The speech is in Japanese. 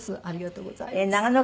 ありがとうございます。